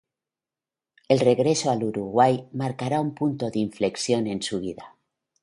El regreso al Uruguay marcará un punto de inflexión en su vida.